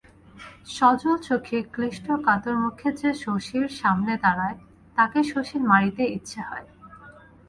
সজল চোখে ক্লিষ্ট কাতরমুখে যে দাড়ায় শশীর সামনে তাকে শশীর মারিতে ইচ্ছে হয়।